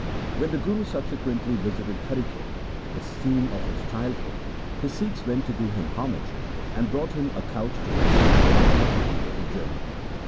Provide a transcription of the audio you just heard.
When the Guru subsequently visited Harike, the scene of his childhood, his Sikhs went to do him homage, and brought him a couch to rest on after the fatigue of his journey.